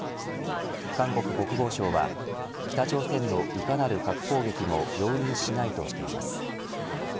韓国国防省は北朝鮮のいかなる核攻撃も容認しないとしています。